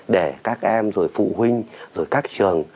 để các em rồi phụ huynh rồi các trường